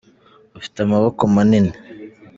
ufite amaboko manini